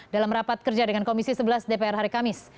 dalam rapat kerja dengan komisi sebelas dpr hari kamis